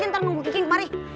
ntar nunggu kiki mari